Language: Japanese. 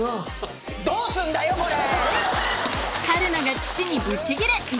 どうすんだよこれ！